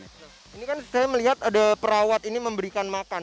ini kan saya melihat ada perawat ini memberikan makan